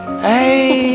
aku sudah monkeying itu